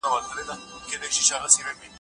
له قلم او کتاب سره په خلوت کې پاته شوی دی